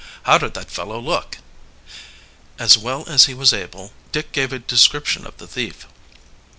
How did that fellow look?" As well as he was able, Dick gave a description of the thief.